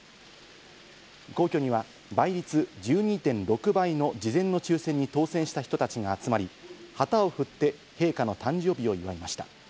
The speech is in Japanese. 皇居には倍率１２．６倍の事前の抽選に当選した人たちが集まり、旗を振って、陛下の誕生日を祝いました。